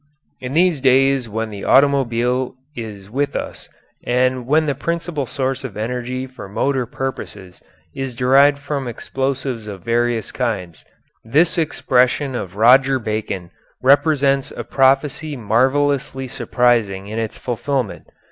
In these days when the automobile is with us and when the principal source of energy for motor purposes is derived from explosives of various kinds, this expression of Roger Bacon represents a prophecy marvellously surprising in its fulfilment.